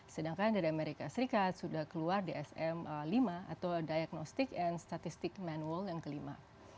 sedangkan dari amerika serikat sudah keluar dsm lima atau diagnostic and statistic manual yang kelima